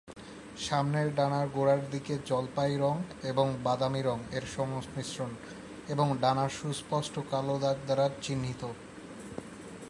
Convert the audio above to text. সামনের ডানার গোড়ার দিকে জলপাই রঙ এবং বাদামী রঙ এর সংমিশ্রণ, এবং ডানা সুস্পষ্ট কালো দাগ দ্বারা চিহ্নিত।